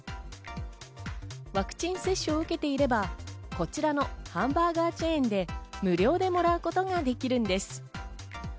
ワクチン接種を受けていれば、こちらのハンバーガーチェーンで無料でもらうことができるんです。